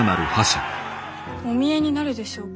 お見えになるでしょうか？